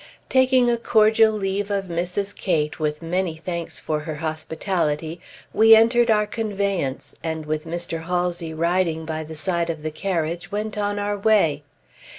Taking a cordial leave of Mrs. Cate, with many thanks for her hospitality, we entered our conveyance, and with Mr. Halsey riding by the side of the carriage, went on our way.